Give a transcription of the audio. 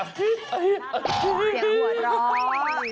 เสียหัวร้อง